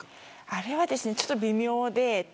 あれはちょっと微妙で。